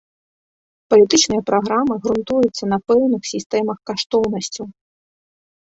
Палітычныя праграмы грунтуюцца на пэўных сістэмах каштоўнасцяў.